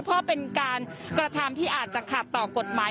เพราะเป็นการกระทำที่อาจจะขาดต่อกฎหมาย